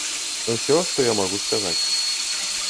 Усё, што я магу сказаць.